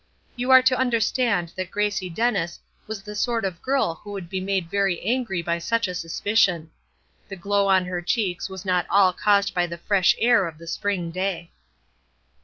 You are to understand that Gracie Dennis was the sort of girl who would be made very angry by such a suspicion. The glow on her cheeks was not all caused by the fresh air of the spring day.